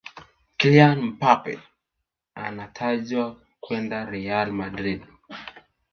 kylian mbappe anatajwa kwenda real madrid